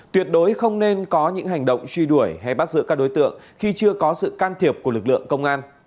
tuyệt đối không nên có những hành động truy đuổi hay bắt giữ các đối tượng khi chưa có sự can thiệp của lực lượng công an